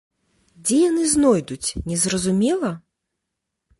Дзе яны знойдуць, незразумела?